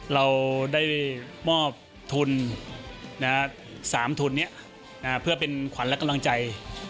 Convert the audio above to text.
เราได้มอบทุน๓ทุนนี้เพื่อเป็นขวัญและกำลังใจ